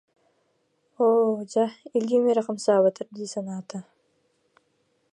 Оо, дьэ илиим эрэ хамсаабатар дии санаата